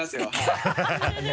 ハハハ